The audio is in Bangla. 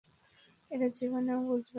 এরা জীবনেও বুঝবে না।